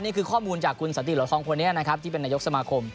นี่คือข้อมูลจากคุณสันติเหลือทองคนนี้นะครับที่เป็นนายกสมาคม